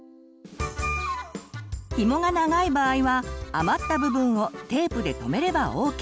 ひもが長い場合は余った部分をテープで留めればＯＫ！